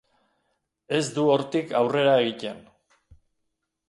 Ez du hortik aurrera egiten.